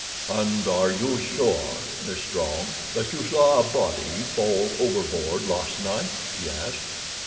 "And are you sure, Miss Strong, that you saw a body fall overboard last night?" he asked.